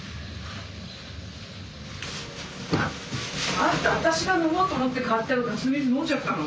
あんた私が飲もうと思って買ったガス水飲んじゃったの？